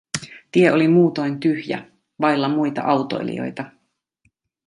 Tie oli muutoin tyhjä, vailla muita autoilijoita.